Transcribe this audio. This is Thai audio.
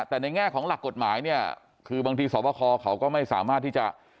แต่ในแง่ของหลักกฎหมายเนี่ยคือบางทีสวบคเขาก็ไม่สามารถที่จะ